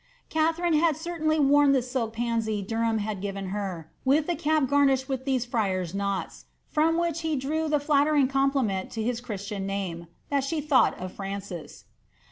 '" Katharine had certainly worn the silk pansy Derham had given her, with the cap garnished with these frian' knots, from which he drew the flattering compliment to his christian name, ^that she thought of Francis."